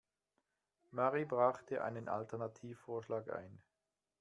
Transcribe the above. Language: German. Marie brachte einen Alternativvorschlag ein.